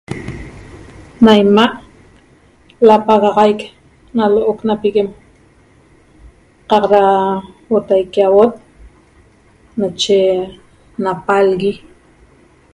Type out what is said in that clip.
Ne'ena lapagaxaic na lo'oc na piguem qaq ra huotaique auot nache napalgui